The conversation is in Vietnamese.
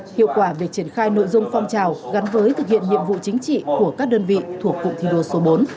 hiệu quả việc triển khai nội dung phong trào gắn với thực hiện nhiệm vụ chính trị của các đơn vị thuộc cụm thi đua số bốn